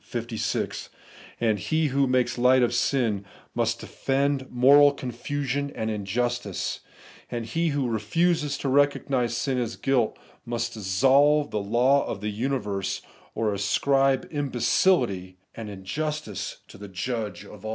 56); and he who makes light of sin must defend ifcoral confusion and injustice ; he who refuses to recognise sin as guUt, must dissolve the law of the universe, or ascribe imbecility and in justice to the Judge of aU.